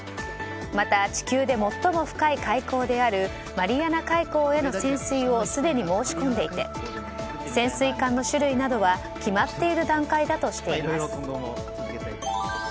また、地球で最も深い海溝であるマリアナ海溝への潜水をすでに申し込んでいて潜水艦の種類などは決まっている段階だとしています。